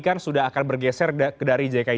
kan sudah akan bergeser dari jki